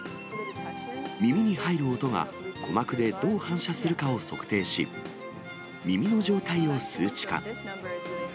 耳に入る音が、鼓膜でどう反射するかを測定し、耳の状態を数値化。